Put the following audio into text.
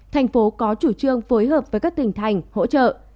thành phố có chủ trương phối hợp với các tỉnh thành hỗ trợ